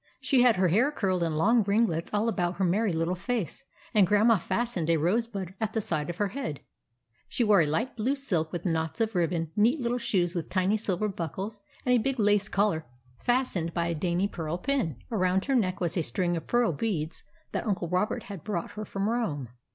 She had her hair curled in long ringlets all about her merry little face, and Grandma fastened a rose bud at the side of her head. She wore a light blue silk with knots of ribbon, neat little shoes with tiny silver buckles, and a big lace collar fastened by a dainty pearl pin. Around her neck was a string of pearl beads that Uncle Robert had brought her from Rome.